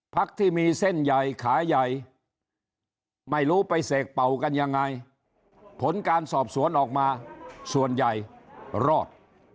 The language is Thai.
พักที่มีเส้นใหญ่ขาใหญ่ไม่รู้ไปเสกเป่ากันยังไงผลการสอบสวนออกมาส่วนใหญ่รอด